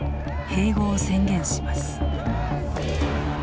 併合を宣言します。